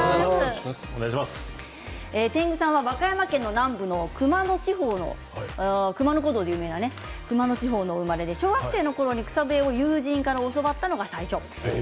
天狗さんは和歌山県南部の熊野古道で有名な熊野地方のお生まれで小学生のころ草笛を友人に教わったのが最初。